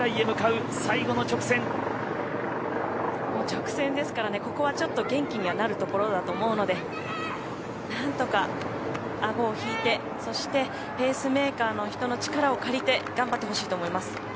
もう直線ですから、ここはちょっと元気にはなるところだと思うので何とか顎を引いてそしてペースメーカーの人の力を借りて頑張ってほしいと思います。